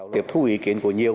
tiếp thu ý kiến của nhiều